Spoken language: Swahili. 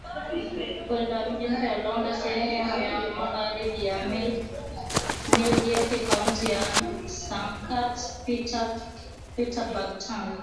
kwenda mji mpya aliounda sehemu ya magharibi ya milki yake akauita Sankt PeterburgTangu